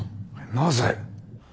なぜ？